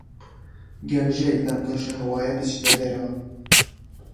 گەمژەیت لەم کەشوهەوایە بچیتە دەرەوە.